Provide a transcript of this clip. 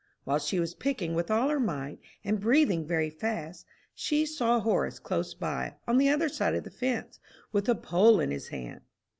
While she was picking with all her might, and breathing very fast, she saw Horace close by, on the other side of the fence, with a pole in his hand.